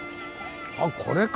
あっこれか。